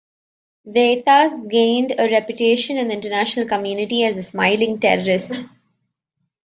They thus gained a reputation in the international community as the smiling terrorists.